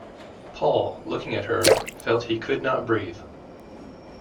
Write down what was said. Paul, looking at her, felt he could not breathe.